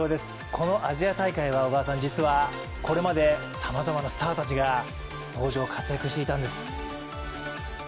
このアジア大会は実はこれまでさまざまなスターたちが登場・活躍していたんです。